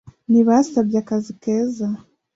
Ntibasabye akazi keza.